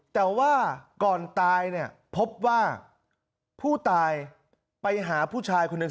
แต่ว่าก่อนตายเนี่ยพบว่าผู้ตายไปหาผู้ชายคนหนึ่ง